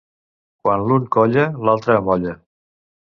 Quan l'un colla, l'altre amolla.